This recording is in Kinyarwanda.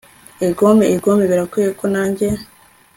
r/ egome, egome, birakwiye ko nanjye